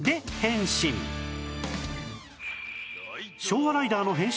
昭和ライダーの変身